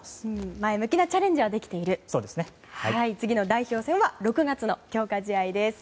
前向きなチャレンジはできている次の代表戦は６月の強化試合です。